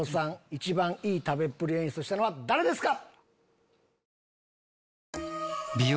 一番いい食べっぷりを演出したのは誰ですか？